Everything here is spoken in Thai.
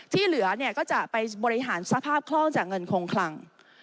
ที่เหลือเนี่ยก็จะไปบริหารสภาพคล่องจากเงินคงคลัง